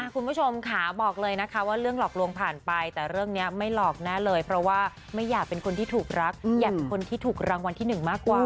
คุณผู้ชมค่ะบอกเลยนะคะว่าเรื่องหลอกลวงผ่านไปแต่เรื่องนี้ไม่หลอกแน่เลยเพราะว่าไม่อยากเป็นคนที่ถูกรักอยากเป็นคนที่ถูกรางวัลที่๑มากกว่า